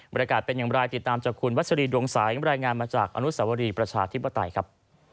บริการเป็นอย่างไรติดตามจากคุณวัชรีดวงสายรายงานมาจากอนุสวรีประชาธิปไตยครับ